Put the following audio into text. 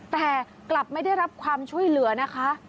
แต่กลับไม่ได้รับความช่วยเหลือนะคะ